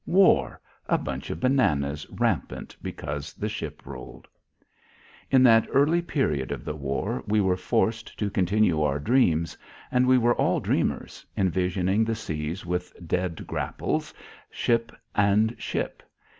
War! A bunch of bananas rampant because the ship rolled. In that early period of the war we were forced to continue our dreams. And we were all dreamers, envisioning the seas with death grapples, ship and ship.